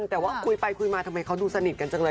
แต่ว่าคุยไปคุยมาทำไมเขาดูสนิทกันจังเลย